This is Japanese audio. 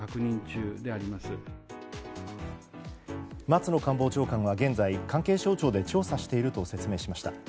松野官房長官は現在関係省庁で調査していると説明しました。